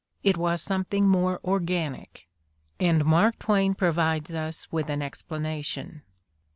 It was something more organic, and Mark Twain provides us with an explanation.